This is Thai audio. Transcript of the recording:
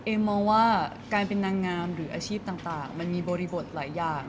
มองว่าการเป็นนางงามหรืออาชีพต่างมันมีบริบทหลายอย่าง